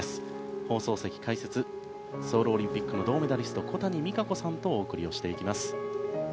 放送席解説はソウルオリンピックの銅メダリスト小谷実可子さんとお送りをしていきます。